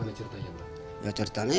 itu gimana ceritanya abah